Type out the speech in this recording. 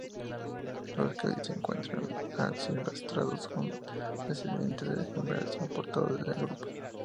Los que hoy se encuentran asilvestrados son descendientes de ejemplares transportados desde Europa.